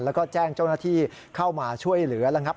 แล้วก็แจ้งเจ้าหน้าที่เข้ามาช่วยเหลือแล้วครับ